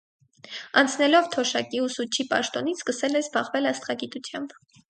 Անցնելով թոշակի ուսուցչի պաշտոնից սկսել է զբաղվել աստղագիտությամբ։